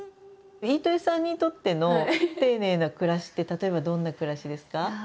飯豊さんにとっての丁寧な暮らしって例えばどんな暮らしですか？